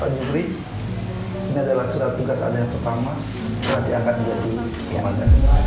pak jufri ini adalah surat tugas anda yang pertama setelah diangkat menjadi pemandang silakan